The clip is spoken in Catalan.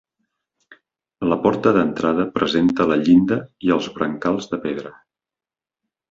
La porta d'entrada presenta la llinda i els brancals de pedra.